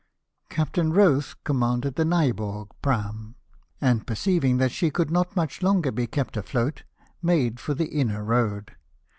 Captain Rothe commanded the Nyehorg praam, and perceiving that she could not much longer be kept afloat, made for the inner road.